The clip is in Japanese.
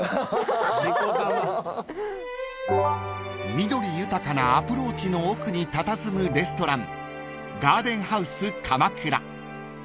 ［緑豊かなアプローチの奥にたたずむレストラン］